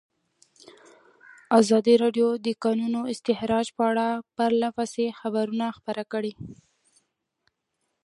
ازادي راډیو د د کانونو استخراج په اړه پرله پسې خبرونه خپاره کړي.